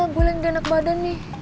gue lagi udah enak badan nih